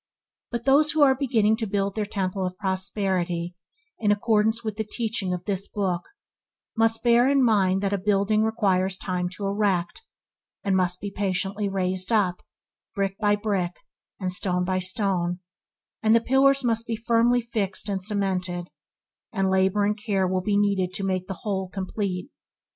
But those who are beginning to build their Temple of Prosperity in accordance with the teaching of this book, must bear in mind that a building requires time to erect, and it must be patiently raised up, brick upon brick and stone upon stone, and the Pillars must be firmly fixed and cemented, and labour and care will be needed to make the whole complete.